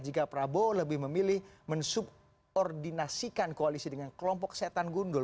jika prabowo lebih memilih mensubordinasikan koalisi dengan kelompok setan gundul